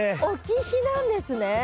置き肥なんですね。